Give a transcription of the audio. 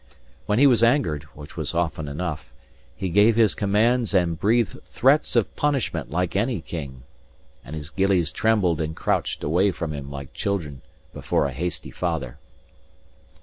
When he was angered, which was often enough, he gave his commands and breathed threats of punishment like any king; and his gillies trembled and crouched away from him like children before a hasty father.